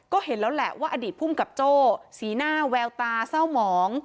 ก็เห็นแล้วแหละว่าอดีตภูมิกับโจ้สีหน้าแววตาเศร้าหมอง